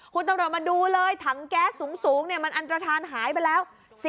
คุณตำรวจมาดูเลยถังแก๊สสูงมันอันตรฐานหายไปแล้ว